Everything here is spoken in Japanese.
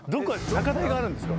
高台があるんですか？